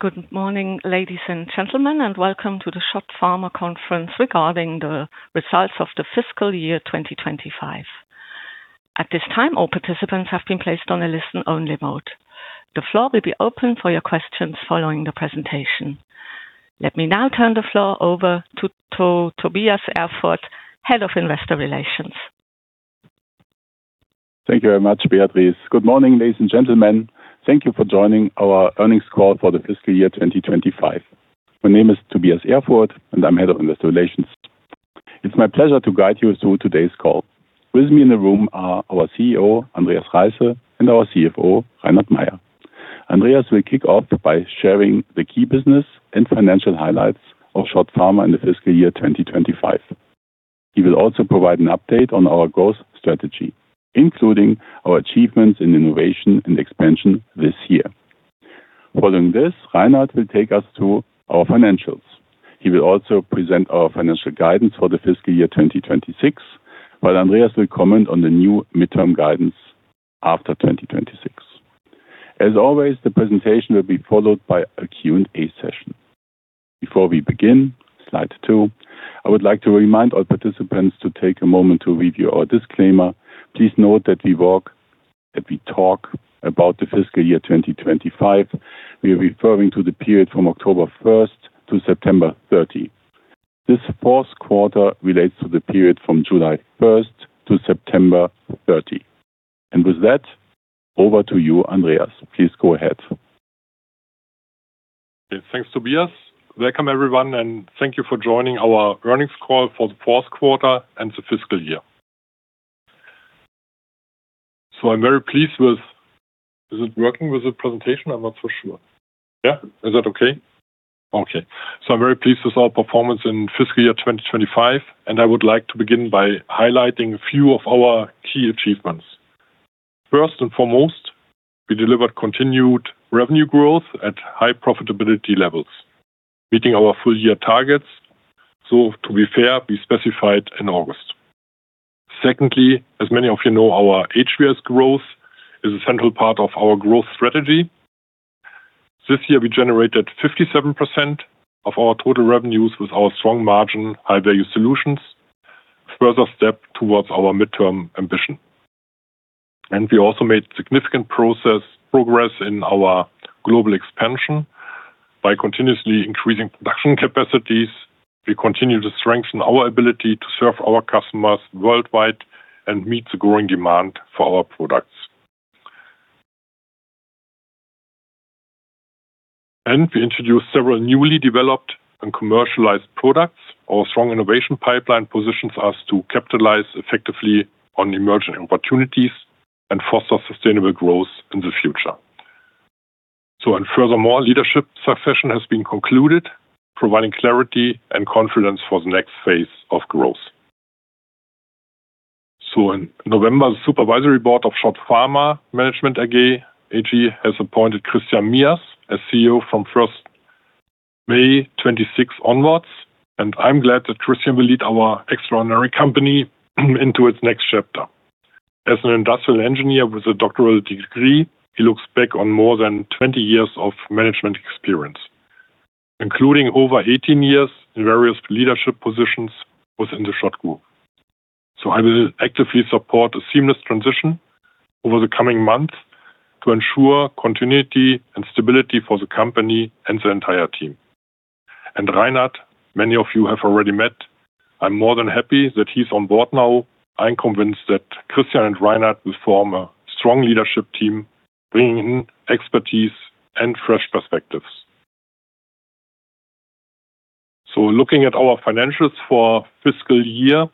Good morning, ladies and gentlemen, and welcome to the SCHOTT Pharma Conference regarding the results of the fiscal year 2025. At this time, all participants have been placed on a listen-only mode. The floor will be open for your questions following the presentation. Let me now turn the floor over to Tobias Erfurth, Head of Investor Relations. Thank you very much, Beatrice. Good morning, ladies and gentlemen. Thank you for joining our earnings call for the fiscal year 2025. My name is Tobias Erfurth, and I'm Head of Investor Relations. It's my pleasure to guide you through today's call. With me in the room are our CEO, Andreas Reisse, and our CFO, Reinhard Mayer. Andreas will kick off by sharing the key business and financial highlights of SCHOTT Pharma in the fiscal year 2025. He will also provide an update on our growth strategy, including our achievements in innovation and expansion this year. Following this, Reinhard will take us through our financials. He will also present our financial guidance for the fiscal year 2026, while Andreas will comment on the new midterm guidance after 2026. As always, the presentation will be followed by a Q&A session. Before we begin, slide two, I would like to remind all participants to take a moment to review our disclaimer. Please note that we talk about the fiscal year 2025. We are referring to the period from October 1st to September 30th. This fourth quarter relates to the period from July 1st to September 30th, and with that, over to you, Andreas. Please go ahead. Thanks, Tobias. Welcome, everyone, and thank you for joining our earnings call for the fourth quarter and the fiscal year. So I'm very pleased with, is it working with the presentation? I'm not so sure. Yeah, is that okay? Okay. So I'm very pleased with our performance in fiscal year 2025, and I would like to begin by highlighting a few of our key achievements. First and foremost, we delivered continued revenue growth at high profitability levels, meeting our full-year targets. So, to be fair, we specified in August. Secondly, as many of you know, our HVS growth is a central part of our growth strategy. This year, we generated 57% of our total revenues with our strong margin, high-value solutions, a further step towards our midterm ambition. And we also made significant progress in our global expansion by continuously increasing production capacities. We continue to strengthen our ability to serve our customers worldwide and meet the growing demand for our products, and we introduced several newly developed and commercialized products. Our strong innovation pipeline positions us to capitalize effectively on emerging opportunities and foster sustainable growth in the future, so, and furthermore, leadership succession has been concluded, providing clarity and confidence for the next phase of growth, so, in November, the Supervisory Board of SCHOTT Pharma Management AG has appointed Christian Meisel as CEO from May 26th onwards, and I'm glad that Christian will lead our extraordinary company into its next chapter. As an industrial engineer with a doctoral degree, he looks back on more than 20 years of management experience, including over 18 years in various leadership positions within the SCHOTT Group. So I will actively support a seamless transition over the coming months to ensure continuity and stability for the company and the entire team. And Reinhard, many of you have already met. I'm more than happy that he's on board now. I'm convinced that Christian and Reinhard will form a strong leadership team, bringing in expertise and fresh perspectives. So looking at our financials for fiscal year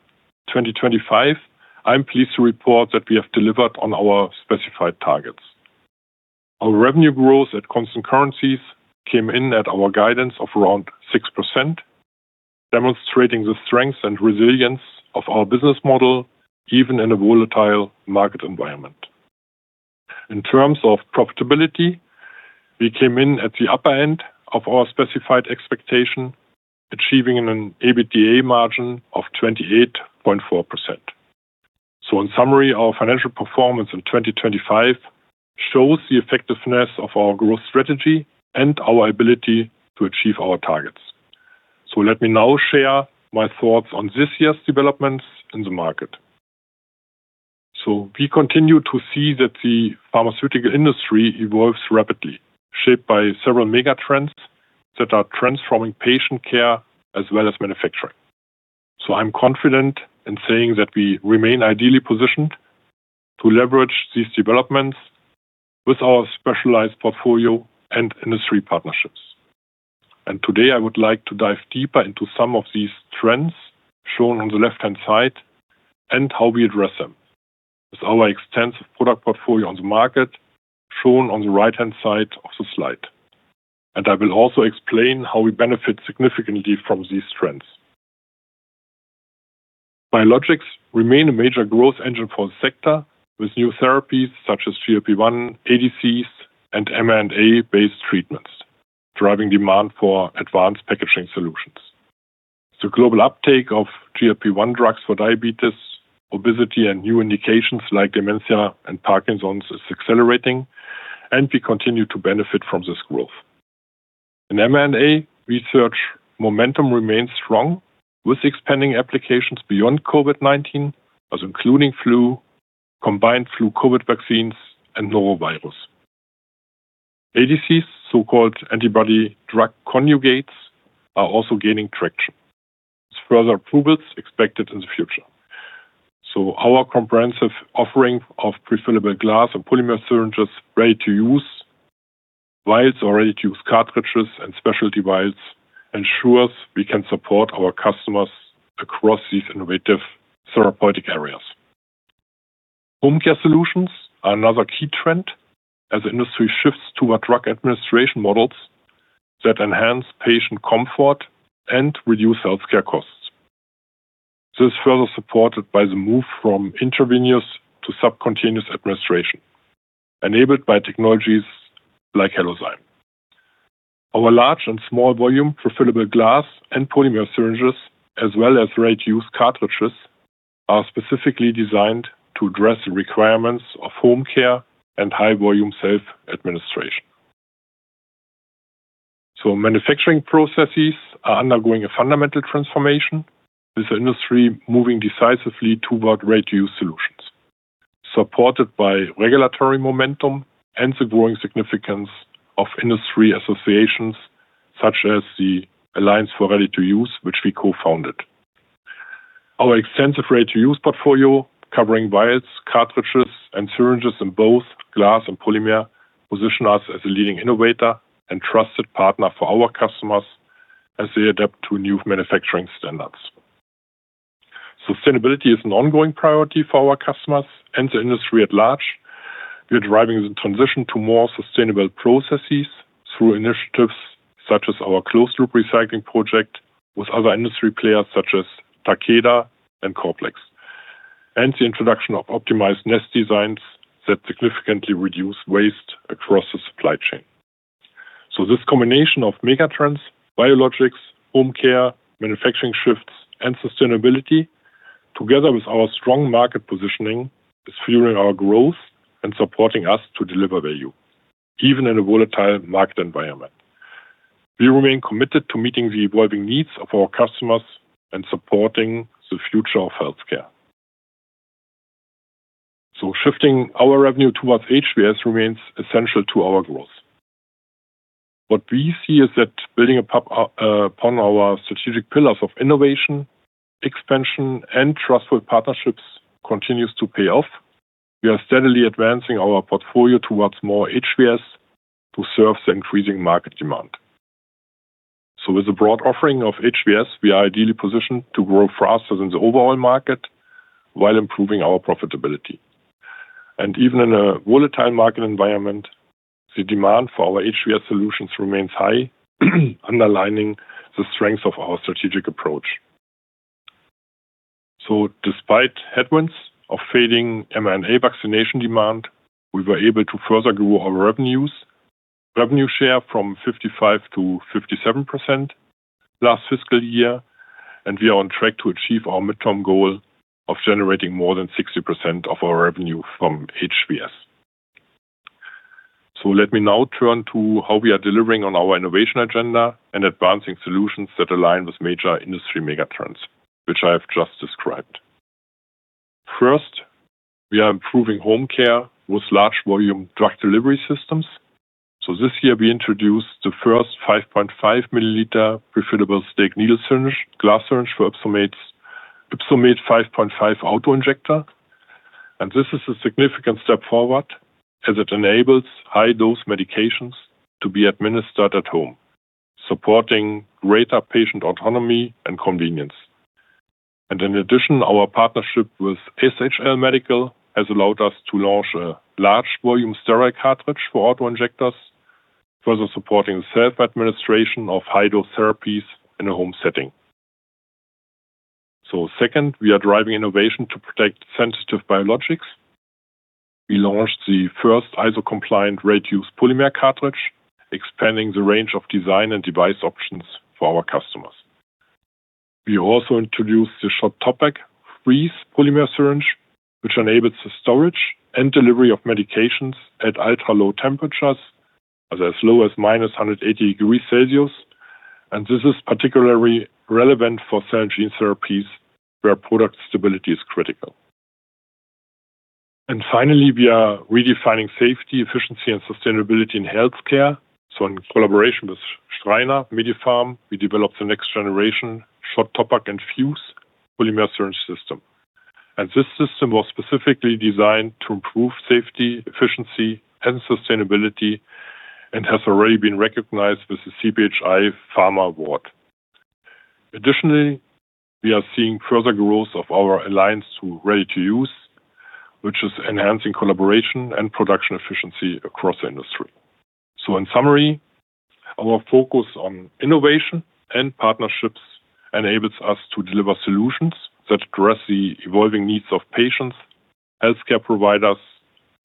2025, I'm pleased to report that we have delivered on our specified targets. Our revenue growth at constant currencies came in at our guidance of around 6%, demonstrating the strength and resilience of our business model even in a volatile market environment. In terms of profitability, we came in at the upper end of our specified expectation, achieving an EBITDA margin of 28.4%. So in summary, our financial performance in 2025 shows the effectiveness of our growth strategy and our ability to achieve our targets. So let me now share my thoughts on this year's developments in the market. So we continue to see that the pharmaceutical industry evolves rapidly, shaped by several mega trends that are transforming patient care as well as manufacturing. So I'm confident in saying that we remain ideally positioned to leverage these developments with our specialized portfolio and industry partnerships. And today, I would like to dive deeper into some of these trends shown on the left-hand side and how we address them with our extensive product portfolio on the market shown on the right-hand side of the slide. And I will also explain how we benefit significantly from these trends. Biologics remain a major growth engine for the sector with new therapies such as GLP-1, ADCs, and mRNA-based treatments, driving demand for advanced packaging solutions. The global uptake of GLP-1 drugs for diabetes, obesity, and new indications like dementia and Parkinson's is accelerating, and we continue to benefit from this growth. In mRNA, research momentum remains strong with expanding applications beyond COVID-19, including flu, combined flu-COVID vaccines, and norovirus. ADCs, so-called antibody-drug conjugates, are also gaining traction with further approvals expected in the future. So our comprehensive offering of prefillable glass and polymer syringes ready to use, vials or ready-to-use cartridges, and specialty vials ensures we can support our customers across these innovative therapeutic areas. Home care solutions are another key trend as the industry shifts toward drug administration models that enhance patient comfort and reduce healthcare costs. This is further supported by the move from intravenous to subcutaneous administration, enabled by technologies like Halozyme. Our large- and small-volume prefillable glass and polymer syringes, as well as ready-to-use cartridges, are specifically designed to address the requirements of home care and high-volume self-administration, so manufacturing processes are undergoing a fundamental transformation, with the industry moving decisively toward ready-to-use solutions, supported by regulatory momentum and the growing significance of industry associations such as the Alliance for Ready-to-Use, which we co-founded. Our extensive ready-to-use portfolio, covering vials, cartridges, and syringes in both glass and polymer, positions us as a leading innovator and trusted partner for our customers as they adapt to new manufacturing standards. Sustainability is an ongoing priority for our customers and the industry at large. We are driving the transition to more sustainable processes through initiatives such as our closed-loop recycling project with other industry players such as Takeda and Corplex, and the introduction of optimized nest designs that significantly reduce waste across the supply chain. So this combination of mega trends, biologics, home care, manufacturing shifts, and sustainability, together with our strong market positioning, is fueling our growth and supporting us to deliver value, even in a volatile market environment. We remain committed to meeting the evolving needs of our customers and supporting the future of healthcare. So shifting our revenue towards HVS remains essential to our growth. What we see is that building upon our strategic pillars of innovation, expansion, and trustworthy partnerships continues to pay off. We are steadily advancing our portfolio towards more HVS to serve the increasing market demand. With the broad offering of HVS, we are ideally positioned to grow faster than the overall market while improving our profitability. Even in a volatile market environment, the demand for our HVS solutions remains high, underlining the strength of our strategic approach. Despite headwinds of fading mRNA vaccination demand, we were able to further grow our revenue share from 55%-57% last fiscal year, and we are on track to achieve our midterm goal of generating more than 60% of our revenue from HVS. Let me now turn to how we are delivering on our innovation agenda and advancing solutions that align with major industry mega trends, which I have just described. First, we are improving home care with large-volume drug delivery systems. This year, we introduced the first 5.5-milliliter prefillable staked needle glass syringe for YpsoMate, YpsoMate 5.5 autoinjector. And this is a significant step forward as it enables high-dose medications to be administered at home, supporting greater patient autonomy and convenience. And in addition, our partnership with SHL Medical has allowed us to launch a large-volume steroid cartridge for autoinjectors, further supporting the self-administration of high-dose therapies in a home setting. So second, we are driving innovation to protect sensitive biologics. We launched the first ISO-compliant ready-to-use polymer cartridge, expanding the range of design and device options for our customers. We also introduced the SCHOTT TOPPAC freeze polymer syringe, which enables the storage and delivery of medications at ultra-low temperatures, as low as minus 180 degrees Celsius. And this is particularly relevant for cell and gene therapies where product stability is critical. And finally, we are redefining safety, efficiency, and sustainability in healthcare. In collaboration with Schreiner MediPharm, we developed the next-generation SCHOTT TOPPAC infuse polymer syringe system. This system was specifically designed to improve safety, efficiency, and sustainability and has already been recognized with the CBHI Pharma Award. Additionally, we are seeing further growth of our Alliance for Ready-to-Use, which is enhancing collaboration and production efficiency across the industry. In summary, our focus on innovation and partnerships enables us to deliver solutions that address the evolving needs of patients, healthcare providers,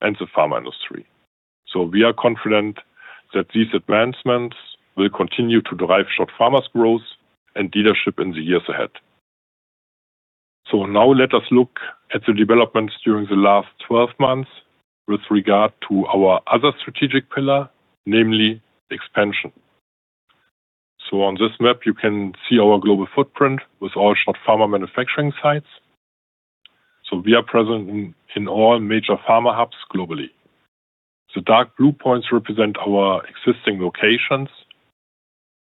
and the pharma industry. We are confident that these advancements will continue to drive SCHOTT Pharma's growth and leadership in the years ahead. Now let us look at the developments during the last 12 months with regard to our other strategic pillar, namely expansion. On this map, you can see our global footprint with all SCHOTT Pharma manufacturing sites. We are present in all major pharma hubs globally. The dark blue points represent our existing locations,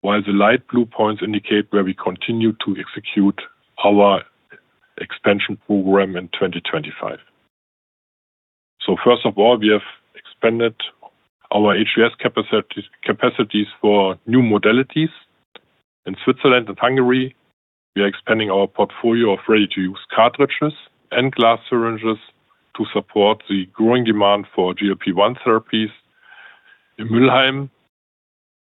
while the light blue points indicate where we continue to execute our expansion program in 2025. First of all, we have expanded our HVS capacities for new modalities. In Switzerland and Hungary, we are expanding our portfolio of ready-to-use cartridges and glass syringes to support the growing demand for GLP-1 therapies. In Müllheim,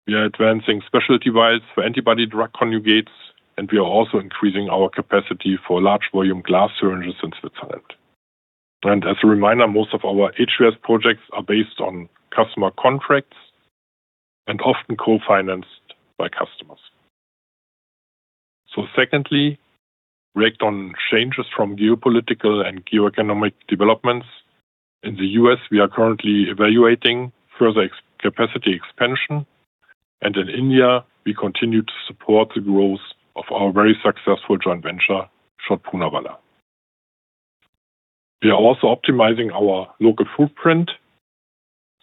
we are advancing specialty vials for antibody-drug conjugates, and we are also increasing our capacity for large-volume glass syringes in Switzerland. As a reminder, most of our HVS projects are based on customer contracts and often co-financed by customers. Secondly, we act on changes from geopolitical and geoeconomic developments. In the U.S., we are currently evaluating further capacity expansion, and in India, we continue to support the growth of our very successful joint venture, SCHOTT Poonawalla. We are also optimizing our local footprint.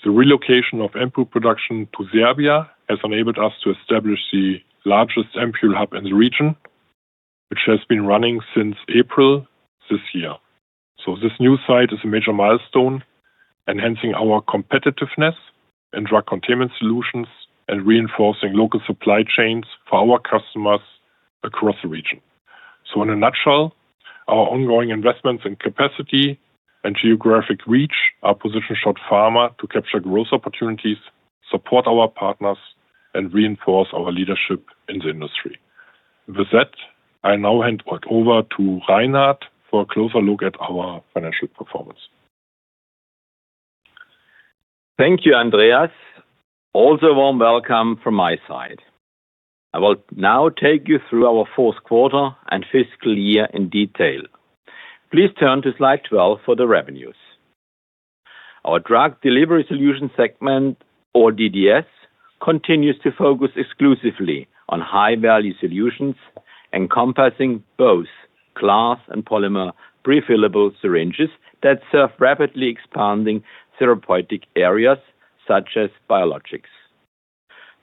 The relocation of ampoule production to Serbia has enabled us to establish the largest ampoule hub in the region, which has been running since April this year, so this new site is a major milestone, enhancing our competitiveness in Drug Containment Solutions and reinforcing local supply chains for our customers across the region, so in a nutshell, our ongoing investments in capacity and geographic reach are positioning SCHOTT Pharma to capture growth opportunities, support our partners, and reinforce our leadership in the industry. With that, I now hand over to Reinhard for a closer look at our financial performance. Thank you, Andreas. Also a warm welcome from my side. I will now take you through our fourth quarter and fiscal year in detail. Please turn to slide 12 for the revenues. Our drug delivery solution segment, or DDS, continues to focus exclusively on high-value solutions, encompassing both glass and polymer prefillable syringes that serve rapidly expanding therapeutic areas such as biologics.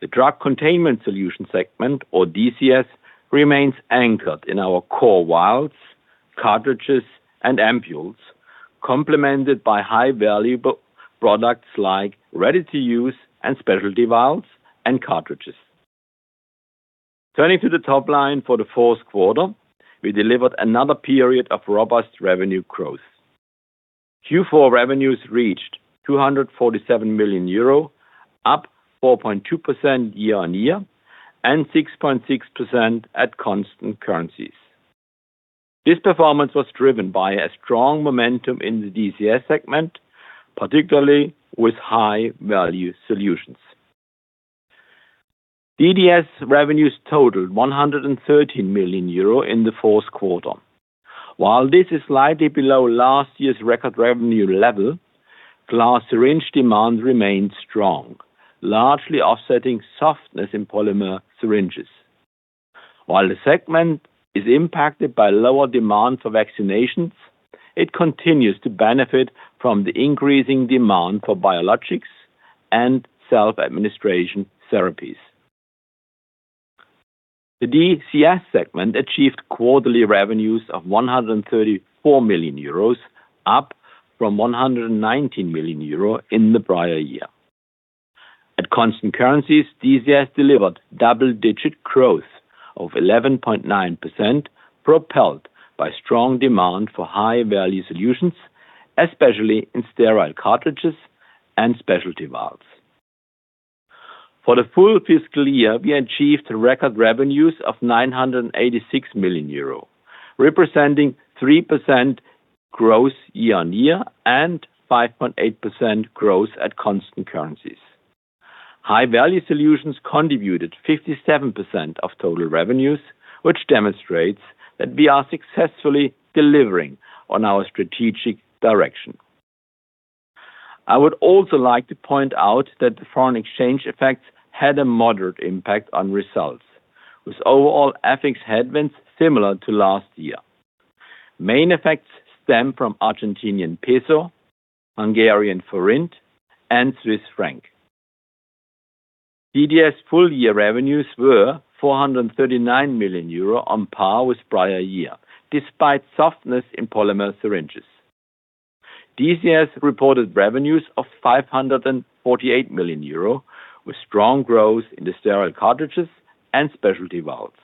The Drug Containment Solution segment, or DCS, remains anchored in our core vials, cartridges, and ampoules, complemented by high-value products like ready-to-use and specialty vials and cartridges. Turning to the top line for the fourth quarter, we delivered another period of robust revenue growth. Q4 revenues reached 247 million euro, up 4.2% year-on-year and 6.6% at constant currencies. This performance was driven by a strong momentum in the DCS segment, particularly with high-value solutions. DDS revenues totaled 113 million euro in the fourth quarter. While this is slightly below last year's record revenue level, glass syringe demand remained strong, largely offsetting softness in polymer syringes. While the segment is impacted by lower demand for vaccinations, it continues to benefit from the increasing demand for biologics and self-administration therapies. The DCS segment achieved quarterly revenues of 134 million euros, up from 119 million euro in the prior year. At constant currencies, DCS delivered double-digit growth of 11.9%, propelled by strong demand for high-value solutions, especially in steroid cartridges and specialty vials. For the full fiscal year, we achieved record revenues of 986 million euro, representing 3% growth year-on-year and 5.8% growth at constant currencies. High-value solutions contributed 57% of total revenues, which demonstrates that we are successfully delivering on our strategic direction. I would also like to point out that the foreign exchange effects had a moderate impact on results, with overall FX headwinds similar to last year. Main effects stem from Argentinian peso, Hungarian forint, and Swiss franc. DDS full-year revenues were 439 million euro on par with the prior year, despite softness in polymer syringes. DCS reported revenues of 548 million euro, with strong growth in the steroid cartridges and specialty vials.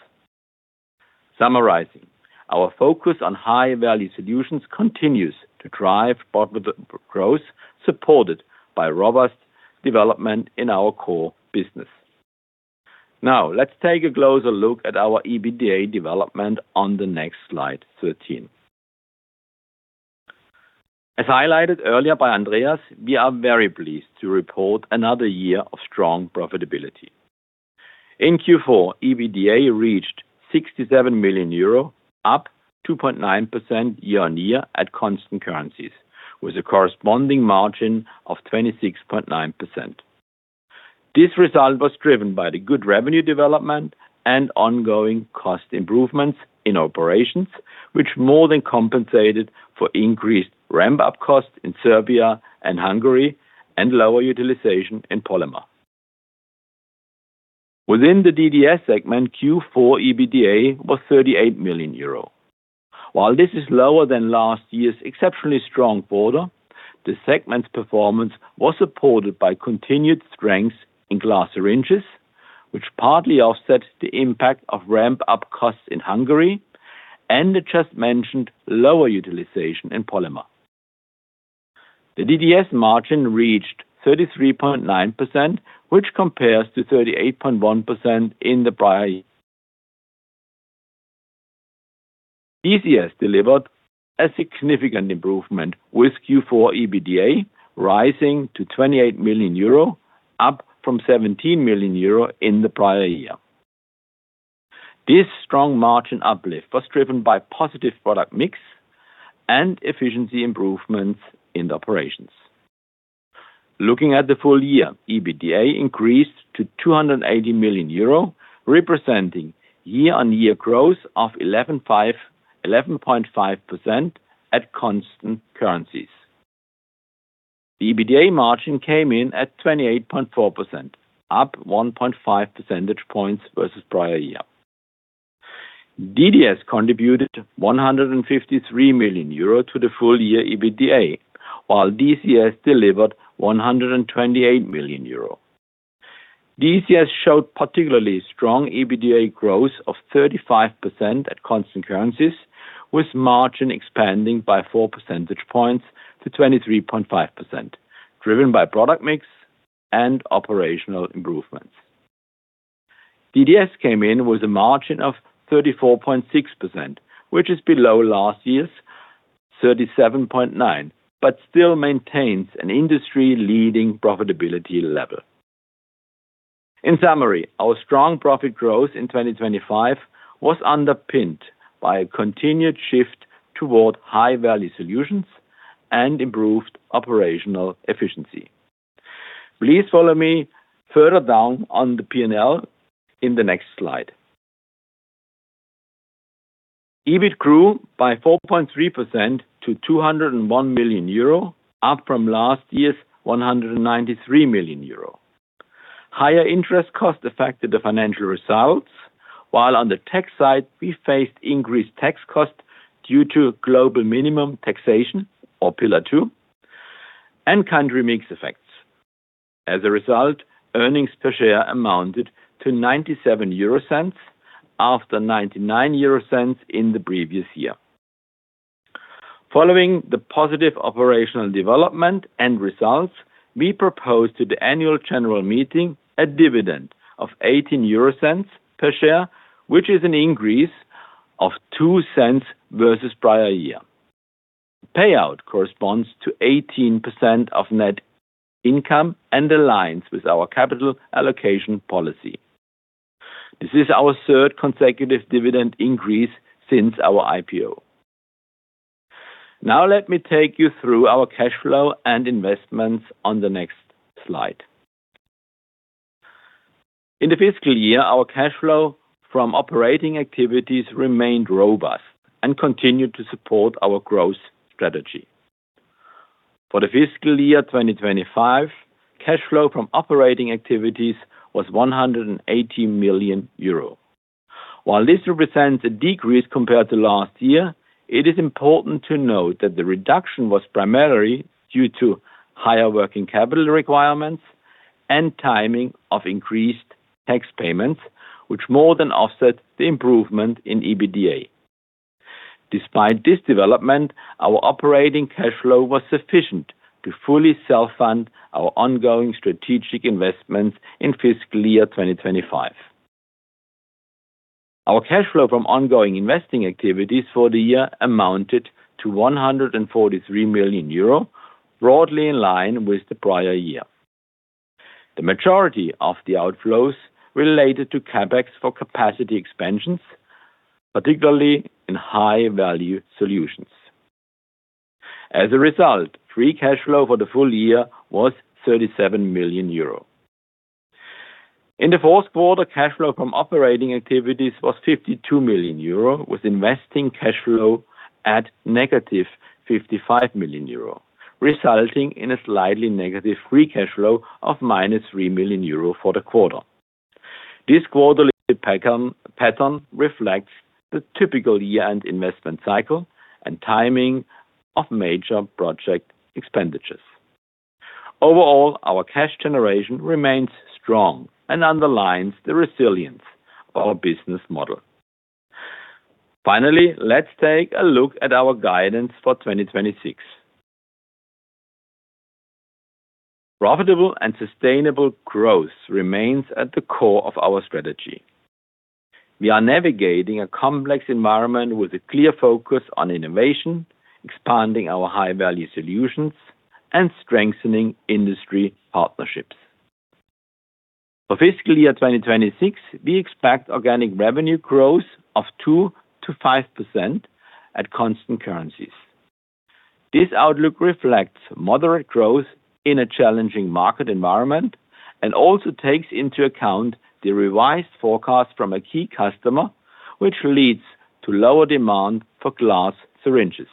Summarizing, our focus on high-value solutions continues to drive growth, supported by robust development in our core business. Now, let's take a closer look at our EBITDA development on the next slide 13. As highlighted earlier by Andreas, we are very pleased to report another year of strong profitability. In Q4, EBITDA reached 67 million euro, up 2.9% year-on-year at constant currencies, with a corresponding margin of 26.9%. This result was driven by the good revenue development and ongoing cost improvements in operations, which more than compensated for increased ramp-up costs in Serbia and Hungary and lower utilization in polymer. Within the DDS segment, Q4 EBITDA was 38 million euro. While this is lower than last year's exceptionally strong quarter, the segment's performance was supported by continued strength in glass syringes, which partly offset the impact of ramp-up costs in Hungary and the just-mentioned lower utilization in polymer. The DDS margin reached 33.9%, which compares to 38.1% in the prior year. DCS delivered a significant improvement with Q4 EBITDA rising to 28 million euro, up from 17 million euro in the prior year. This strong margin uplift was driven by positive product mix and efficiency improvements in operations. Looking at the full-year, EBITDA increased to 280 million euro, representing year-on-year growth of 11.5% at constant currencies. The EBITDA margin came in at 28.4%, up 1.5 percentage points versus the prior year. DDS contributed 153 million euro to the full-year EBITDA, while DCS delivered 128 million euro. DCS showed particularly strong EBITDA growth of 35% at constant currencies, with margin expanding by 4 percentage points to 23.5%, driven by product mix and operational improvements. DDS came in with a margin of 34.6%, which is below last year's 37.9%, but still maintains an industry-leading profitability level. In summary, our strong profit growth in 2025 was underpinned by a continued shift toward high-value solutions and improved operational efficiency. Please follow me further down on the P&L in the next slide. EBIT grew by 4.3% to 201 million euro, up from last year's 193 million euro. Higher interest costs affected the financial results, while on the tax side, we faced increased tax costs due to global minimum taxation, or Pillar Two, and country-mix effects. As a result, earnings per share amounted to 0.97 after 0.99 in the previous year. Following the positive operational development and results, we proposed to the annual general meeting a dividend of 0.18 per share, which is an increase of 0.02 versus the prior year. Payout corresponds to 18% of net income and aligns with our capital allocation policy. This is our third consecutive dividend increase since our IPO. Now, let me take you through our cash flow and investments on the next slide. In the fiscal year, our cash flow from operating activities remained robust and continued to support our growth strategy. For the fiscal year 2025, cash flow from operating activities was 180 million euro. While this represents a decrease compared to last year, it is important to note that the reduction was primarily due to higher working capital requirements and timing of increased tax payments, which more than offset the improvement in EBITDA. Despite this development, our operating cash flow was sufficient to fully self-fund our ongoing strategic investments in fiscal year 2025. Our cash flow from ongoing investing activities for the year amounted to 143 million euro, broadly in line with the prior year. The majority of the outflows related to CapEx for capacity expansions, particularly in high-value solutions. As a result, free cash flow for the full-year was 37 million euro. In the fourth quarter, cash flow from operating activities was 52 million euro, with investing cash flow at negative 55 million euro, resulting in a slightly negative free cash flow of 3 million euro for the quarter. This quarterly pattern reflects the typical year-end investment cycle and timing of major project expenditures. Overall, our cash generation remains strong and underlines the resilience of our business model. Finally, let's take a look at our guidance for 2026. Profitable and sustainable growth remains at the core of our strategy. We are navigating a complex environment with a clear focus on innovation, expanding our high-value solutions, and strengthening industry partnerships. For fiscal year 2026, we expect organic revenue growth of 2%-5% at constant currencies. This outlook reflects moderate growth in a challenging market environment and also takes into account the revised forecast from a key customer, which leads to lower demand for glass syringes.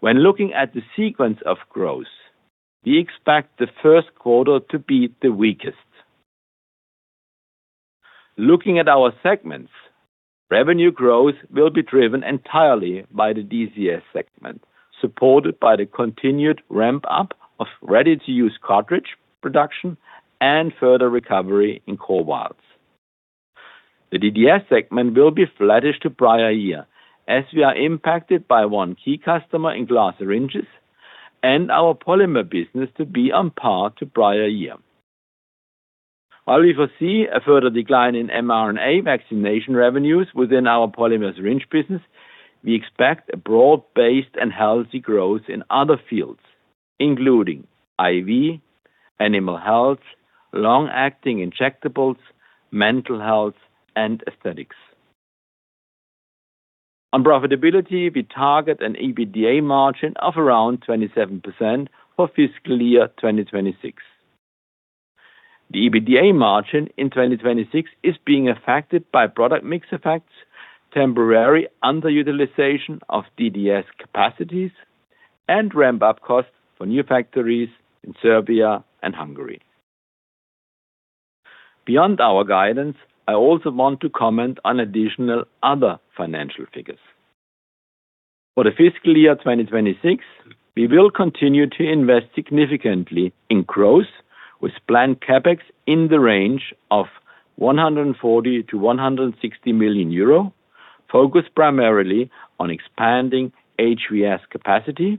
When looking at the sequence of growth, we expect the first quarter to be the weakest. Looking at our segments, revenue growth will be driven entirely by the DCS segment, supported by the continued ramp-up of ready-to-use cartridge production and further recovery in core vials. The DDS segment will be flattish to prior year, as we are impacted by one key customer in glass syringes and our polymer business to be on par to prior year. While we foresee a further decline in mRNA vaccination revenues within our polymer syringe business, we expect a broad-based and healthy growth in other fields, including IV, animal health, long-acting injectables, mental health, and aesthetics. On profitability, we target an EBITDA margin of around 27% for fiscal year 2026. The EBITDA margin in 2026 is being affected by product mix effects, temporary underutilization of DDS capacities, and ramp-up costs for new factories in Serbia and Hungary. Beyond our guidance, I also want to comment on additional other financial figures. For the fiscal year 2026, we will continue to invest significantly in growth, with planned CapEx in the range of 140-160 million euro, focused primarily on expanding HVS capacity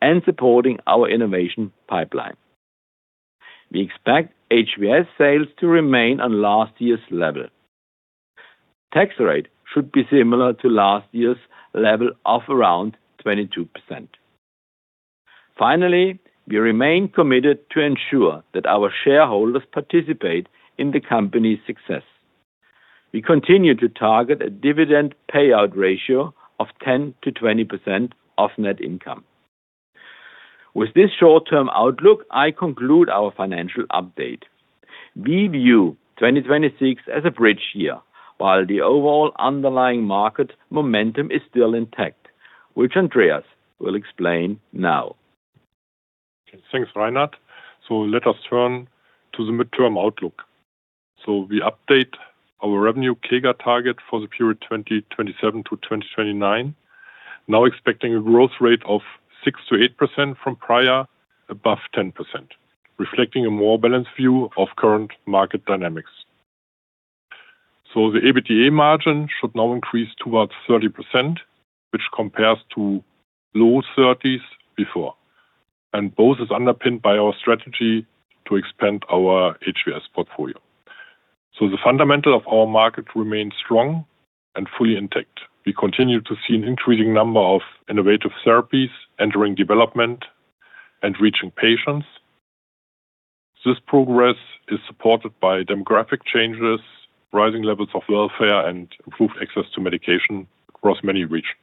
and supporting our innovation pipeline. We expect HVS sales to remain on last year's level. Tax rate should be similar to last year's level of around 22%. Finally, we remain committed to ensure that our shareholders participate in the company's success. We continue to target a dividend payout ratio of 10%-20% of net income. With this short-term outlook, I conclude our financial update. We view 2026 as a bridge year, while the overall underlying market momentum is still intact, which Andreas will explain now. Thanks, Reinhard. So let us turn to the midterm outlook. We update our revenue CAGR target for the period 2027-2029, now expecting a growth rate of 6%-8% from prior, above 10%, reflecting a more balanced view of current market dynamics. The EBITDA margin should now increase towards 30%, which compares to low 30s% before, and both is underpinned by our strategy to expand our HVS portfolio. The fundamental of our market remains strong and fully intact. We continue to see an increasing number of innovative therapies entering development and reaching patients. This progress is supported by demographic changes, rising levels of welfare, and improved access to medication across many regions.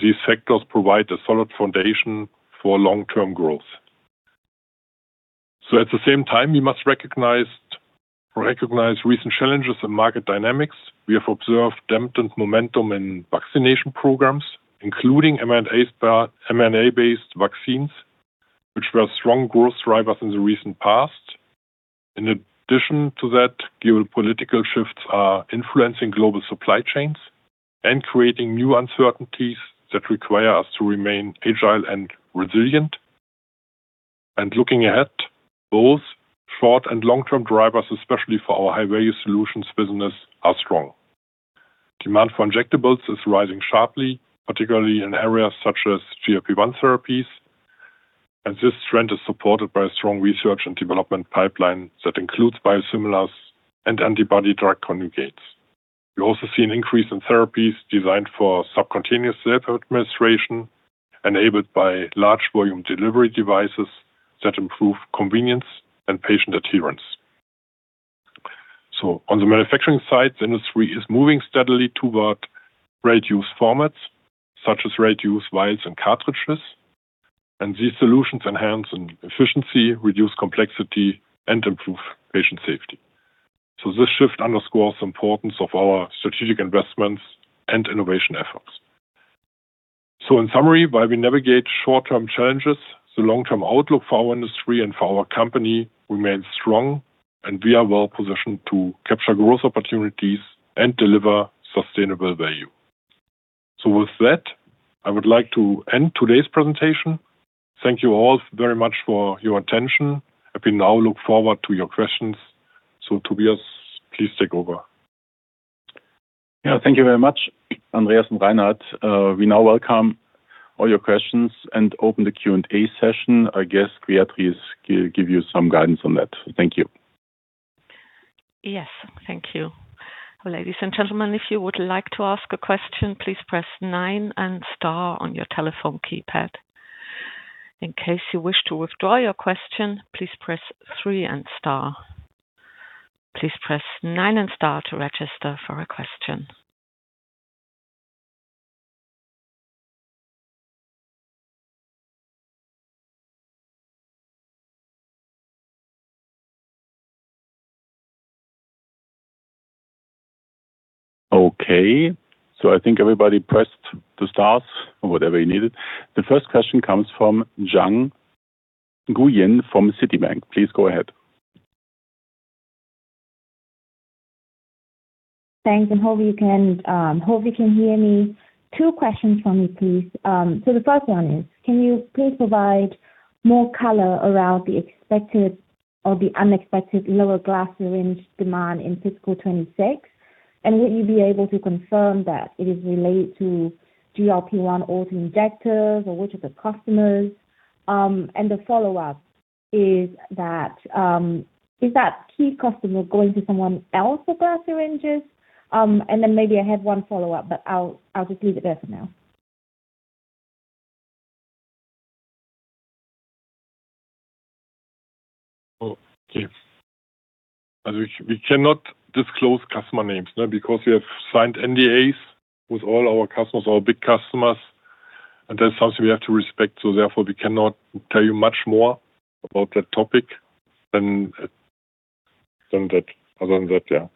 These factors provide a solid foundation for long-term growth. At the same time, we must recognize recent challenges in market dynamics. We have observed dampened momentum in vaccination programs, including mRNA-based vaccines, which were strong growth drivers in the recent past. In addition to that, geopolitical shifts are influencing global supply chains and creating new uncertainties that require us to remain agile and resilient, and looking ahead, both short and long-term drivers, especially for our high-value solutions business, are strong. Demand for injectables is rising sharply, particularly in areas such as GLP-1 therapies, and this trend is supported by a strong research and development pipeline that includes biosimilars and antibody-drug conjugates. We also see an increase in therapies designed for subcutaneous self-administration, enabled by large-volume delivery devices that improve convenience and patient adherence, so on the manufacturing side, the industry is moving steadily toward ready-to-use formats, such as ready-to-use vials and cartridges, and these solutions enhance efficiency, reduce complexity, and improve patient safety, so this shift underscores the importance of our strategic investments and innovation efforts. So in summary, while we navigate short-term challenges, the long-term outlook for our industry and for our company remains strong, and we are well-positioned to capture growth opportunities and deliver sustainable value. So with that, I would like to end today's presentation. Thank you all very much for your attention. I now look forward to your questions. So Tobias, please take over. Yeah, thank you very much, Andreas and Reinhard. We now welcome all your questions and open the Q&A session. I guess Beatrice will give you some guidance on that. Thank you. Yes, thank you. Ladies and gentlemen, if you would like to ask a question, please press nine and star on your telephone keypad. In case you wish to withdraw your question, please press three and star. Please press nine and star to register for a question. Okay, so I think everybody pressed the stars or whatever you needed. The first question comes from Ngan Nguyen from Citibank. Please go ahead. Thanks, and hope you can hear me. Two questions for me, please. So the first one is, can you please provide more color around the expected or the unexpected lower glass syringe demand in fiscal 2026? And would you be able to confirm that it is related to GLP-1 auto injectors or which of the customers? And the follow-up is that, is that key customer going to someone else for glass syringes? And then maybe I have one follow-up, but I'll just leave it there for now. We cannot disclose customer names because we have signed NDAs with all our customers, our big customers, and that's something we have to respect. So therefore, we cannot tell you much more about that topic than that, other than that, yeah.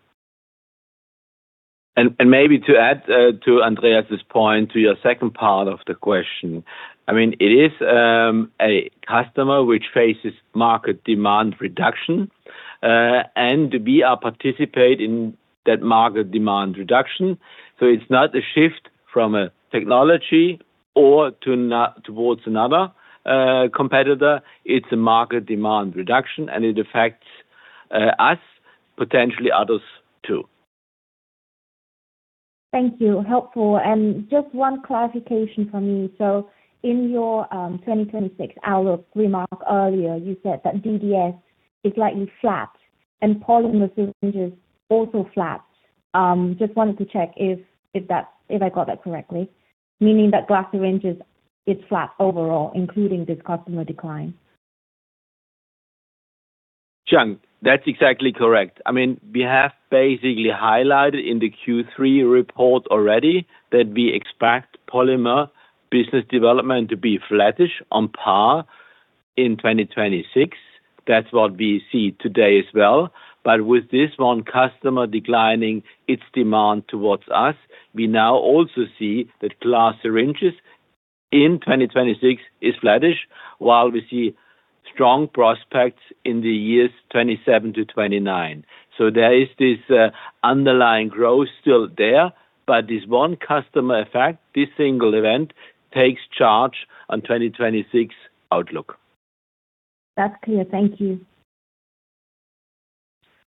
And maybe to add to Andreas' point, to your second part of the question, I mean, it is a customer which faces market demand reduction, and we are participating in that market demand reduction. So it's not a shift from a technology or towards another competitor. It's a market demand reduction, and it affects us, potentially others too. Thank you. Helpful. And just one clarification for me. So in your 2026 outlook remark earlier, you said that DDS is slightly flat and polymer syringes also flat. Just wanted to check if I got that correctly, meaning that glass syringes is flat overall, including this customer decline. Ngan, that's exactly correct. I mean, we have basically highlighted in the Q3 report already that we expect polymer business development to be flattish on par in 2026. That's what we see today as well. But with this one customer declining its demand towards us, we now also see that glass syringes in 2026 is flattish, while we see strong prospects in the years 2027-2029. So there is this underlying growth still there, but this one customer effect, this single event, takes charge on 2026 outlook. That's clear. Thank you.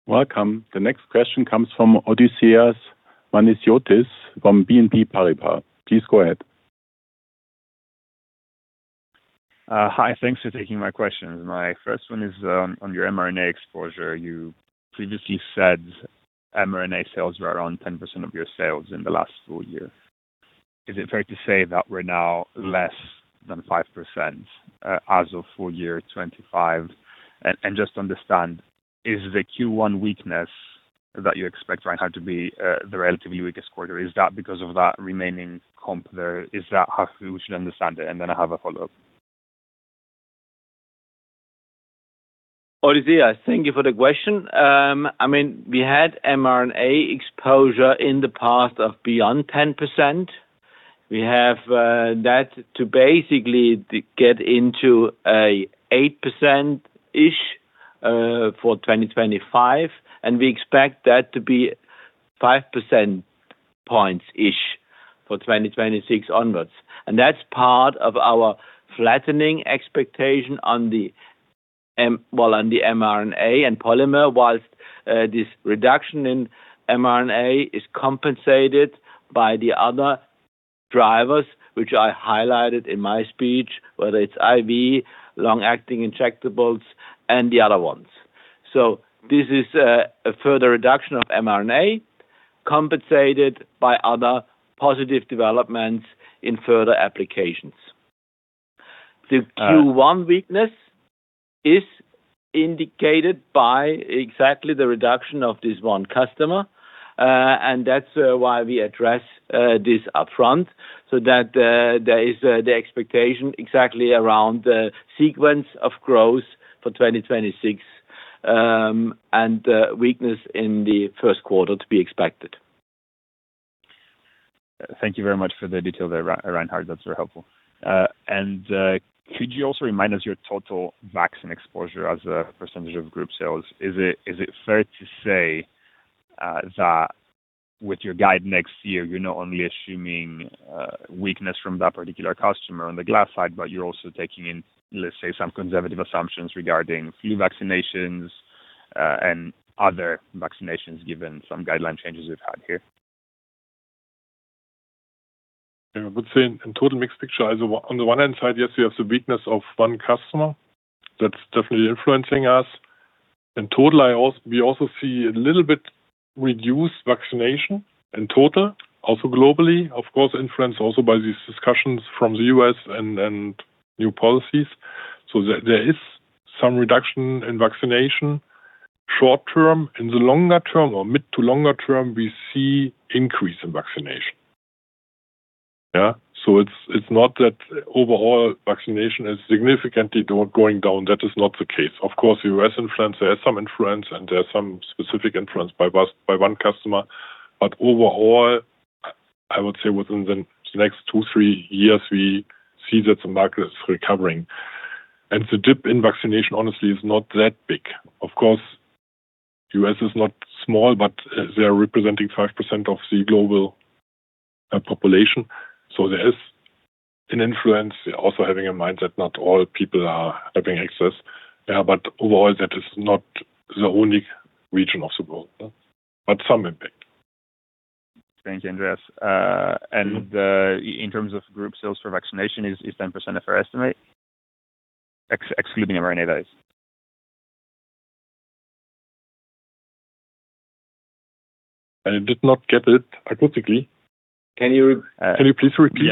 Welcome. The next question comes from Odysseas Manesiotis from BNP Paribas. Please go ahead. Hi, thanks for taking my questions. My first one is on your mRNA exposure. You previously said mRNA sales were around 10% of your sales in the last full-year. Is it fair to say that we're now less than 5% as of full-year 2025? And just to understand, is the Q1 weakness that you expect, Reinhard, to be the relatively weakest quarter? Is that because of that remaining comp there? Is that how we should understand it? And then I have a follow-up. Odysseas, thank you for the question. I mean, we had mRNA exposure in the past of beyond 10%. We have that to basically get into an 8%-ish for 2025, and we expect that to be 5% points-ish for 2026 onwards. And that's part of our flattening expectation on the mRNA and polymer, while this reduction in mRNA is compensated by the other drivers, which I highlighted in my speech, whether it's IV, long-acting injectables, and the other ones. So this is a further reduction of mRNA compensated by other positive developments in further applications. The Q1 weakness is indicated by exactly the reduction of this one customer, and that's why we address this upfront, so that there is the expectation exactly around the sequence of growth for 2026 and the weakness in the first quarter to be expected. Thank you very much for the detail there, Reinhard. That's very helpful. And could you also remind us your total vaccine exposure as a percentage of group sales? Is it fair to say that with your guide next year, you're not only assuming weakness from that particular customer on the glass side, but you're also taking in, let's say, some conservative assumptions regarding flu vaccinations and other vaccinations given some guideline changes we've had here? Yeah, I would say in total mixed picture, on the one hand side, yes, we have the weakness of one customer that's definitely influencing us. In total, we also see a little bit reduced vaccination in total, also globally, of course, influenced also by these discussions from the U.S. and new policies. So there is some reduction in vaccination short term. In the longer term or mid to longer term, we see an increase in vaccination. Yeah, so it's not that overall vaccination is significantly going down. That is not the case. Of course, the U.S. influence, there is some influence, and there's some specific influence by one customer. But overall, I would say within the next two, three years, we see that the market is recovering. And the dip in vaccination, honestly, is not that big. Of course, the U.S. is not small, but they are representing 5% of the global population. So there is an influence. We're also having a mindset not all people are having access. Yeah, but overall, that is not the only region of the world, but some impact. Thank you, Andreas. And in terms of group sales for vaccination, is 10% of our estimate, excluding mRNA days? I did not get it acoustically. Can you please repeat?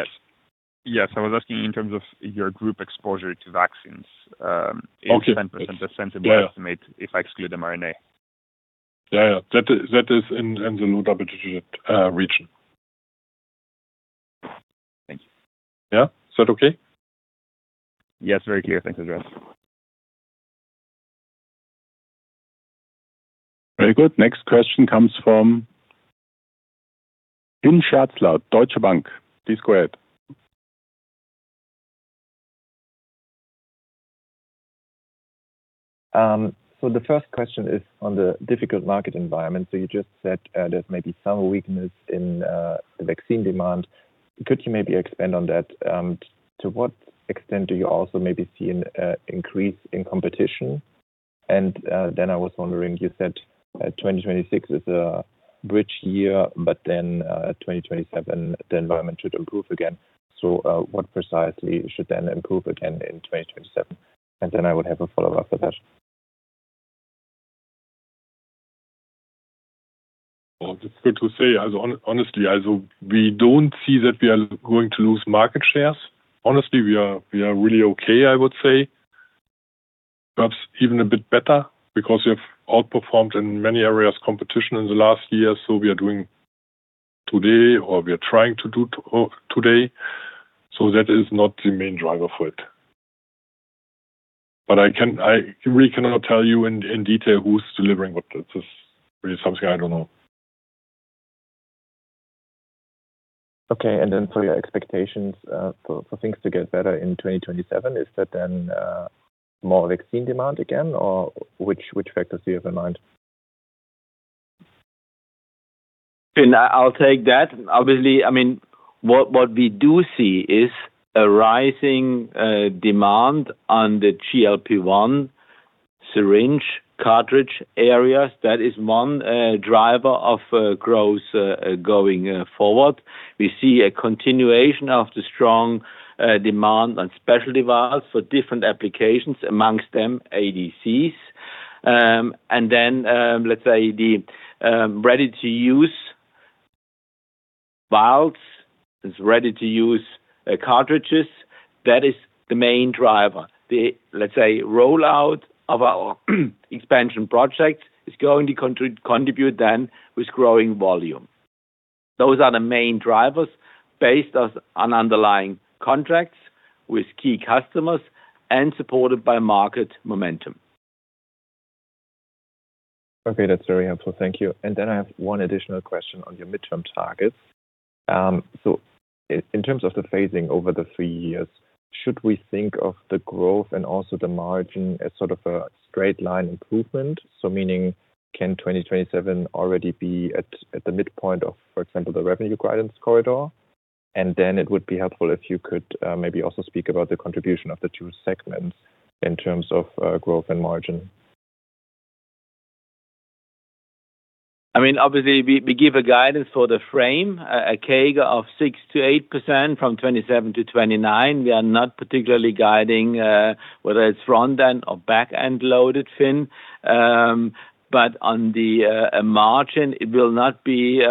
Yes. I was asking in terms of your group exposure to vaccines, is 10% a sensible estimate if I exclude mRNA? Yeah, yeah. That is in the low double-digit region. Thank you. Yeah? Is that okay? Yes, very clear. Thanks, Andreas. Very good. Next question comes from Pin Schatzlaut, Deutsche Bank. Please go ahead. So the first question is on the difficult market environment. So you just said there's maybe some weakness in the vaccine demand. Could you maybe expand on that? To what extent do you also maybe see an increase in competition? And then I was wondering, you said 2026 is a rich year, but then 2027, the environment should improve again. So what precisely should then improve again in 2027? And then I would have a follow-up for that. Well, it's good to say. Honestly, we don't see that we are going to lose market shares. Honestly, we are really okay, I would say. Perhaps even a bit better because we have outperformed in many areas competition in the last year. So we are doing today or we are trying to do today. So that is not the main driver for it. But I really cannot tell you in detail who's delivering what. This is really something I don't know. Okay. And then for your expectations for things to get better in 2027, is that then more vaccine demand again, or which factors do you have in mind? I'll take that. Obviously, I mean, what we do see is a rising demand on the GLP-1 syringe cartridge areas. That is one driver of growth going forward. We see a continuation of the strong demand on specialty vials for different applications, amongst them ADCs. And then, let's say, the ready-to-use vials, ready-to-use cartridges, that is the main driver. The, let's say, rollout of our expansion project is going to contribute then with growing volume. Those are the main drivers based on underlying contracts with key customers and supported by market momentum. Okay, that's very helpful. Thank you. And then I have one additional question on your midterm targets. So in terms of the phasing over the three years, should we think of the growth and also the margin as sort of a straight-line improvement? So meaning, can 2027 already be at the midpoint of, for example, the revenue guidance corridor? And then it would be helpful if you could maybe also speak about the contribution of the two segments in terms of growth and margin. I mean, obviously, we give a guidance for the frame, a CAGR of 6%-8% from 2027-2029. We are not particularly guiding whether it's front-end or back-end loaded in. But on the margin, it will not be,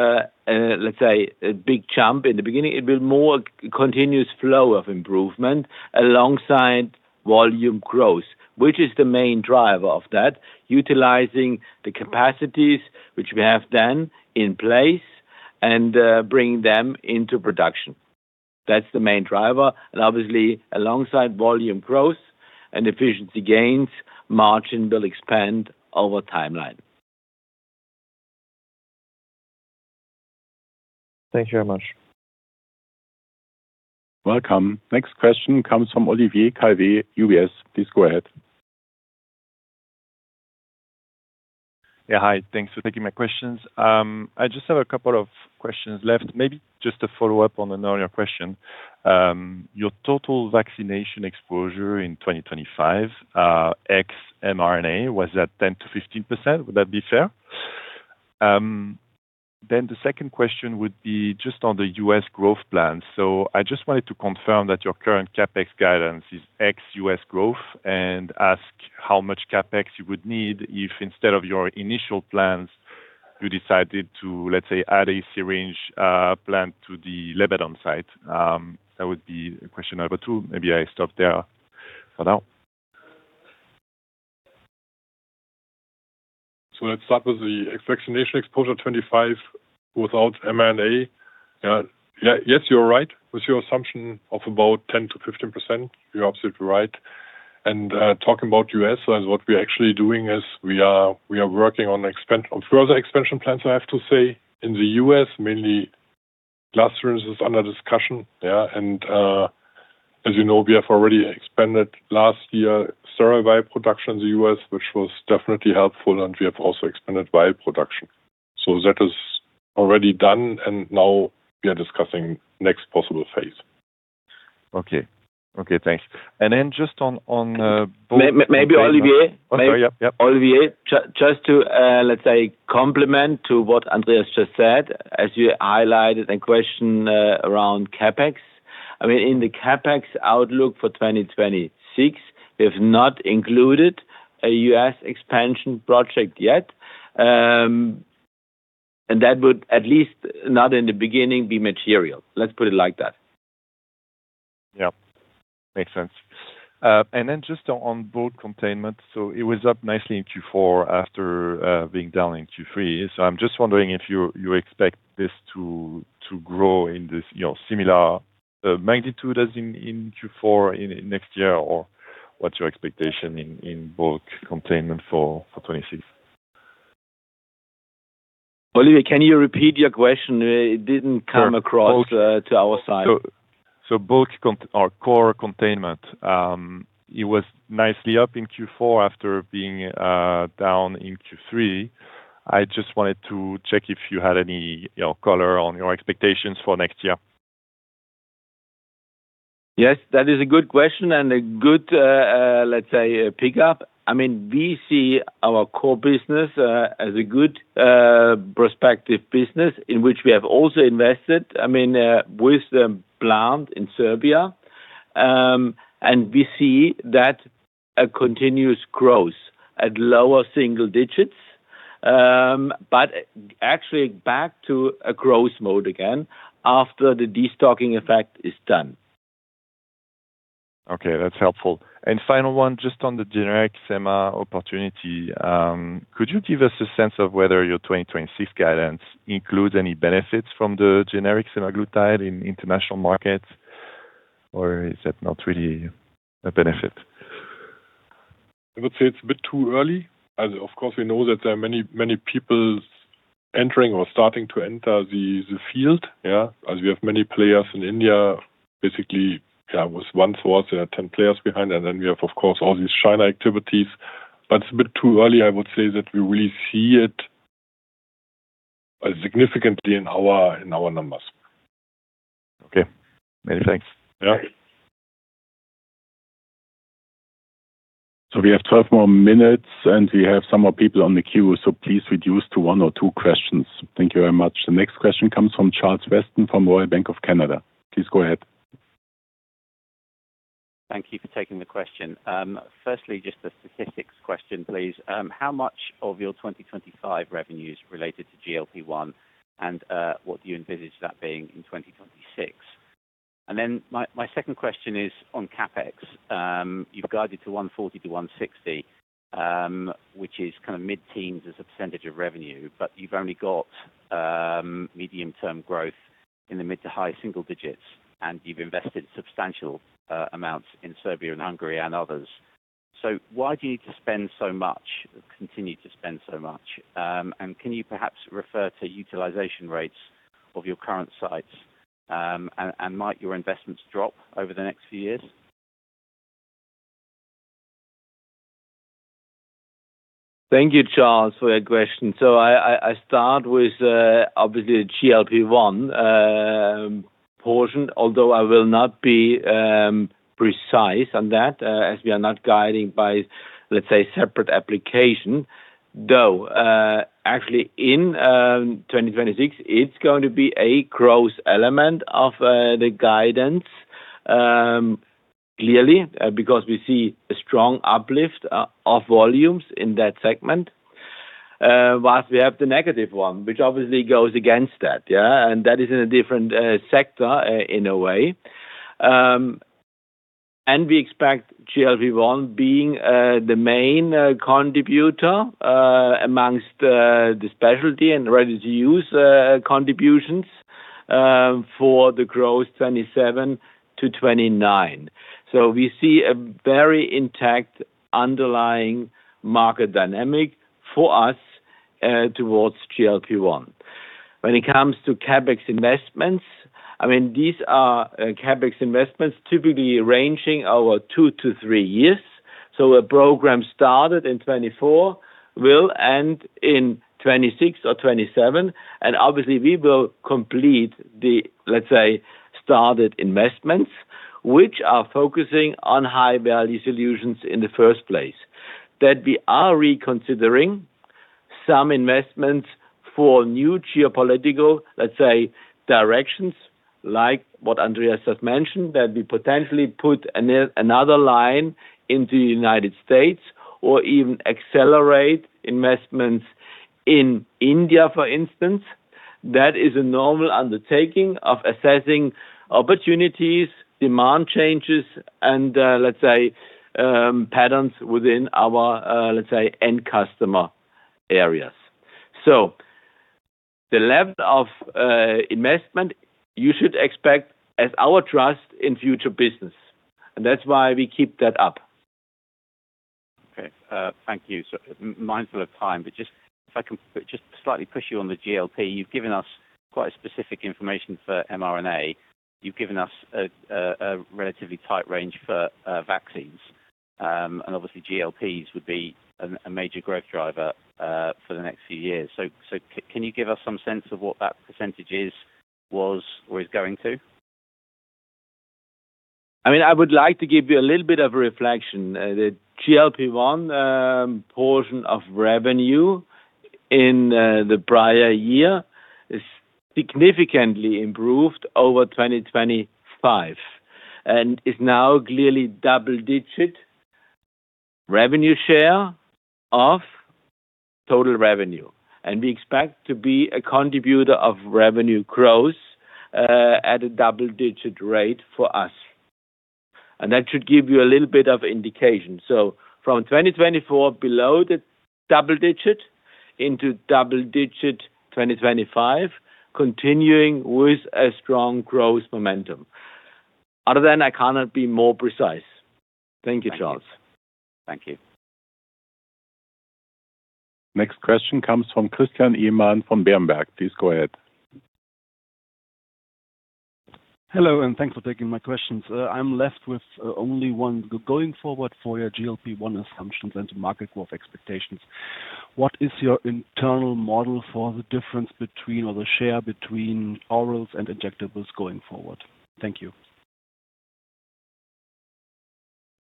let's say, a big jump in the beginning. It will be more a continuous flow of improvement alongside volume growth, which is the main driver of that, utilizing the capacities which we have then in place and bringing them into production. That's the main driver. And obviously, alongside volume growth and efficiency gains, margin will expand over timeline. Thank you very much. Welcome. Next question comes from Olivier Calvet, UBS. Please go ahead. Yeah, hi. Thanks for taking my questions. I just have a couple of questions left. Maybe just to follow up on an earlier question. Your total vaccination exposure in 2025, ex-mRNA, was at 10%-15%. Would that be fair? Then the second question would be just on the U.S. growth plan. So I just wanted to confirm that your current CapEx guidance is ex U.S. growth and ask how much CapEx you would need if instead of your initial plans, you decided to, let's say, add a syringe plant to the Lebanon site. That would be a question number two. Maybe I stop there for now. So let's start with the ex-vaccination exposure 25 without mRNA. Yes, you're right with your assumption of about 10%-15%. You're absolutely right. And talking about U.S., what we're actually doing is we are working on further expansion plans, I have to say, in the U.S., mainly glass syringes under discussion. And as you know, we have already expanded last year sterile vial production in the U.S., which was definitely helpful, and we have also expanded vial production. So that is already done, and now we are discussing the next possible phase. Okay. Okay, thanks. And then just on both. Maybe Olivier. Olivier, just to, let's say, complement to what Andreas just said, as you highlighted a question around CapEx. I mean, in the CapEx outlook for 2026, we have not included a U.S. expansion project yet. And that would, at least not in the beginning, be material. Let's put it like that. Yeah. Makes sense. And then just on bulk containment, so it was up nicely in Q4 after being down in Q3. So I'm just wondering if you expect this to grow in similar magnitude as in Q4 next year or what's your expectation in bulk containment for 2026? Olivier, can you repeat your question? It didn't come across to our side. So bulk or core containment, it was nicely up in Q4 after being down in Q3. I just wanted to check if you had any color on your expectations for next year. Yes, that is a good question and a good, let's say, pickup. I mean, we see our core business as a good prospective business in which we have also invested, I mean, with the plant in Serbia. And we see that continuous growth at lower single digits, but actually back to a growth mode again after the destocking effect is done. Okay, that's helpful. And final one, just on the generic semaglutide opportunity, could you give us a sense of whether your 2026 guidance includes any benefits from the generic semaglutide in international markets, or is that not really a benefit? I would say it's a bit too early. Of course, we know that there are many people entering or starting to enter the field. We have many players in India, basically with one source, 10 players behind, and then we have, of course, all these China activities. But it's a bit too early, I would say, that we really see it significantly in our numbers. Okay. Many thanks. So we have 12 more minutes, and we have some more people on the queue, so please reduce to one or two questions. Thank you very much. The next question comes from Charles Weston from Royal Bank of Canada. Please go ahead. Thank you for taking the question. Firstly, just a statistics question, please. How much of your 2025 revenue is related to GLP-1, and what do you envisage that being in 2026? And then my second question is on CapEx. You've guided to 140-160, which is kind of mid-teens as a percentage of revenue, but you've only got medium-term growth in the mid to high single-digits, and you've invested substantial amounts in Serbia and Hungary and others. So why do you need to spend so much, continue to spend so much? And can you perhaps refer to utilization rates of your current sites, and might your investments drop over the next few years? Thank you, Charles, for your question. So I start with, obviously, the GLP-1 portion, although I will not be precise on that as we are not guiding by, let's say, separate application. Though, actually, in 2026, it's going to be a growth element of the guidance, clearly, because we see a strong uplift of volumes in that segment. Whilst we have the negative one, which obviously goes against that. And that is in a different sector in a way. And we expect GLP-1 being the main contributor amongst the specialty and ready-to-use contributions for the growth 27-29. So we see a very intact underlying market dynamic for us towards GLP-1. When it comes to CapEx investments, I mean, these are CapEx investments typically ranging over two to three years. So a program started in 2024 will end in 2026 or 2027. And obviously, we will complete the, let's say, started investments, which are focusing on high-value solutions in the first place. That, we are reconsidering some investments for new geopolitical, let's say, directions, like what Andreas has mentioned, that we potentially put another line into the United States or even accelerate investments in India, for instance. That is a normal undertaking of assessing opportunities, demand changes, and, let's say, patterns within our, let's say, end customer areas. So the level of investment you should expect, as our trust in future business. And that's why we keep that up. Okay. Thank you. Mindful of time, but just if I can just slightly push you on the GLP, you've given us quite specific information for mRNA. You've given us a relatively tight range for vaccines. And obviously, GLPs would be a major growth driver for the next few years. So can you give us some sense of what that percentage is, was, or is going to? I mean, I would like to give you a little bit of a reflection. The GLP-1 portion of revenue in the prior year is significantly improved over 2025 and is now clearly double-digit revenue share of total revenue. And we expect to be a contributor of revenue growth at a double-digit rate for us. And that should give you a little bit of indication. So from 2024, below the double-digit into double-digit 2025, continuing with a strong growth momentum. Other than that, I cannot be more precise. Thank you, Charles. Thank you. Next question comes from Christian Ehmann from Warburg Research. Please go ahead. Hello, and thanks for taking my questions. I'm left with only one. Going forward, for your GLP-1 assumptions and market growth expectations, what is your internal model for the difference or the share between orals and injectables going forward? Thank you.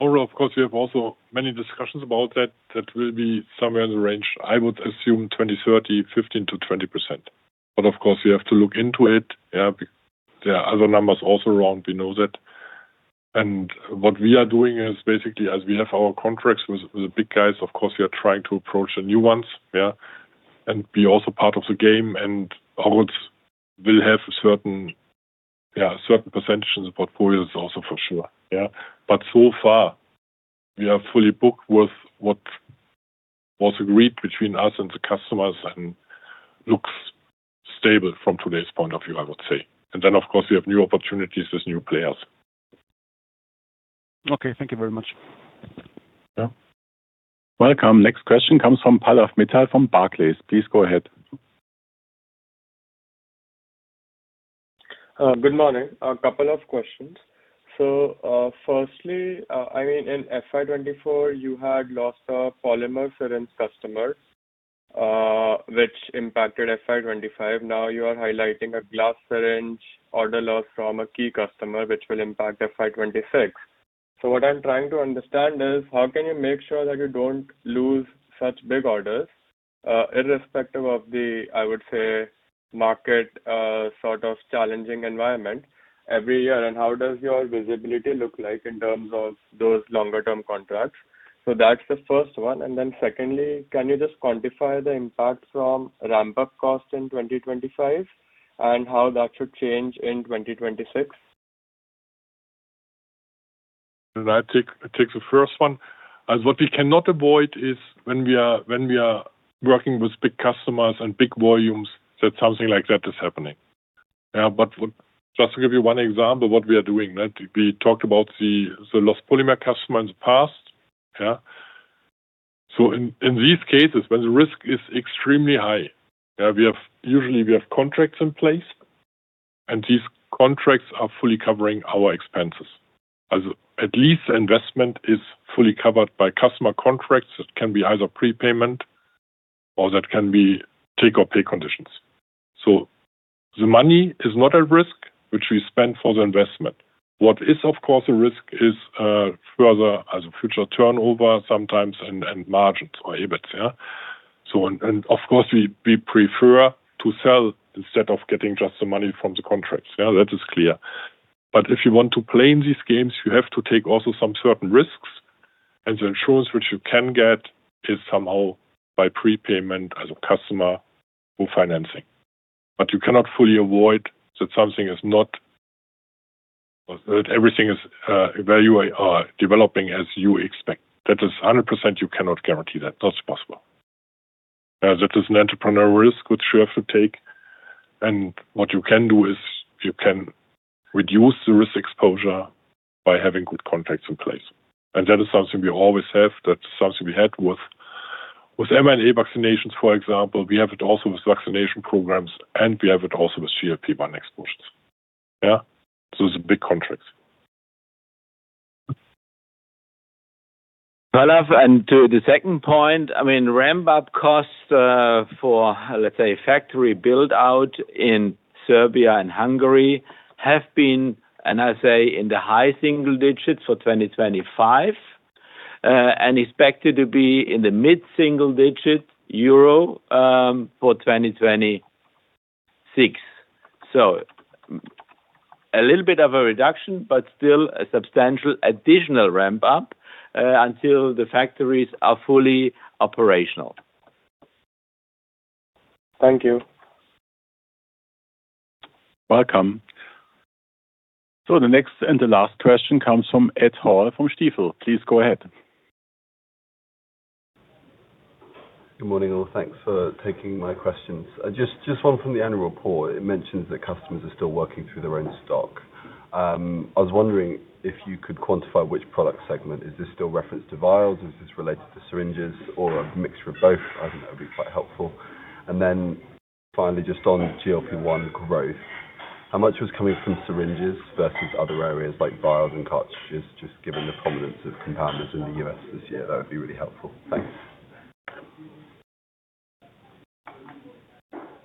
Overall, of course, we have also many discussions about that. That will be somewhere in the range, I would assume, 2030, 15%-20%. But of course, we have to look into it. There are other numbers also around. We know that. And what we are doing is basically, as we have our contracts with the big guys, of course, we are trying to approach the new ones. And be also part of the game. And orals will have a certain percentage in the portfolios also, for sure. But so far, we are fully booked with what was agreed between us and the customers and looks stable from today's point of view, I would say. And then, of course, we have new opportunities with new players. Okay. Thank you very much. Welcome. Next question comes from Pallav Mittal from Barclays. Please go ahead. Good morning. A couple of questions. So firstly, I mean, in FY 2024, you had lost a polymer syringe customer, which impacted FY 2025. Now you are highlighting a glass syringe order loss from a key customer, which will impact FY 2026. So what I'm trying to understand is, how can you make sure that you don't lose such big orders, irrespective of the, I would say, market sort of challenging environment every year? And how does your visibility look like in terms of those longer term contracts? So that's the first one. And then secondly, can you just quantify the impact from ramp-up cost in 2025 and how that should change in 2026? That takes the first one. What we cannot avoid is when we are working with big customers and big volumes that something like that is happening. But just to give you one example of what we are doing, we talked about the lost polymer customer in the past. So in these cases, when the risk is extremely high, usually we have contracts in place, and these contracts are fully covering our expenses. At least the investment is fully covered by customer contracts. It can be either prepayment or that can be take or pay conditions. So the money is not at risk, which we spend for the investment. What is, of course, a risk is further, as a future turnover sometimes and margins or EBITDA. And of course, we prefer to sell instead of getting just the money from the contracts. That is clear. But if you want to play in these games, you have to take also some certain risks. And the insurance which you can get is somehow by prepayment, as a customer or financing. But you cannot fully avoid that something is not that everything is developing as you expect. That is 100% you cannot guarantee that. That's possible. That is an entrepreneurial risk which you have to take. And what you can do is you can reduce the risk exposure by having good contracts in place. And that is something we always have. That's something we had with mRNA vaccinations, for example. We have it also with vaccination programs, and we have it also with GLP-1 exposures. So it's big contracts. Pallav, and to the second point, I mean, ramp-up costs for, let's say, factory build-out in Serbia and Hungary have been, and I say, in the high single-digits for 2025, and expected to be in the mid-single-digit euro for 2026. So a little bit of a reduction, but still a substantial additional ramp-up until the factories are fully operational. Thank you. Welcome. So the next and the last question comes from Ed Hall from Stifel. Please go ahead. Good morning, all. Thanks for taking my questions. Just one from the Annual Report. It mentions that customers are still working through their own stock. I was wondering if you could quantify which product segment. Is this still referenced to vials? Is this related to syringes or a mixture of both? I think that would be quite helpful. And then finally, just on GLP-1 growth, how much was coming from syringes versus other areas like vials and cartridges, just given the prominence of compounders in the U.S. this year? That would be really helpful. Thanks.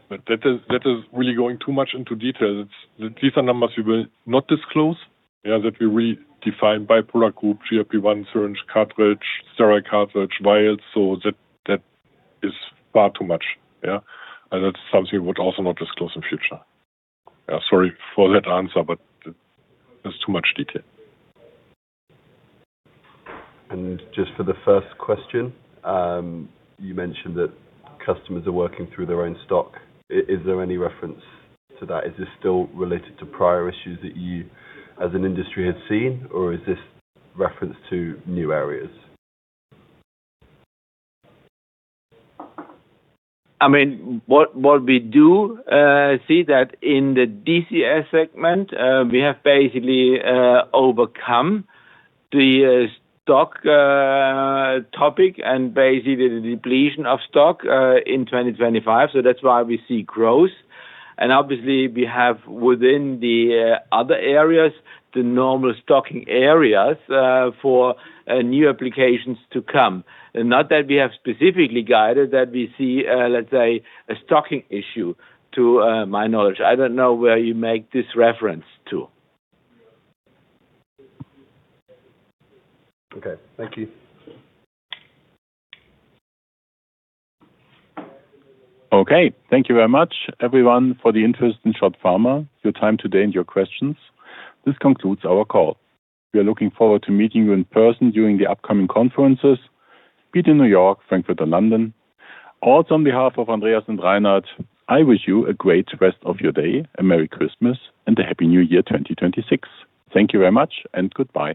That is really going too much into detail. These are numbers we will not disclose that we really define by product group, GLP-1, syringe, cartridge, sterile cartridge, vials. So that is far too much. And that's something we would also not disclose in future. Sorry for that answer, but there's too much detail. And just for the first question, you mentioned that customers are working through their own stock. Is there any reference to that? Is this still related to prior issues that you, as an industry, had seen, or is this reference to new areas? I mean, what we do see that in the DCS segment, we have basically overcome the stock topic and basically the depletion of stock in 2025. So that's why we see growth. And obviously, we have within the other areas, the normal stocking areas for new applications to come. Not that we have specifically guided that we see, let's say, a stocking issue to my knowledge. I don't know where you make this reference to. Okay. Thank you. Okay. Thank you very much, everyone, for the interest in SCHOTT Pharma, your time today, and your questions. This concludes our call. We are looking forward to meeting you in person during the upcoming conferences in New York, Frankfurt, and London. Also, on behalf of Andreas and Reinhard, I wish you a great rest of your day, a Merry Christmas, and a Happy New Year 2026. Thank you very much, and goodbye.